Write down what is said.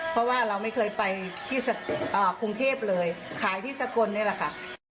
เพราะว่าเราไม่เคยไปที่กรุงเทพเลยขายที่สกลนี่แหละค่ะ